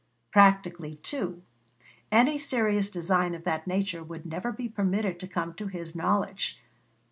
Practically, too, any serious design of that nature would never be permitted to come to his knowledge.